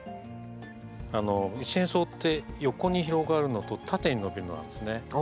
一年草って横に広がるのと縦に伸びるのがあるんですね。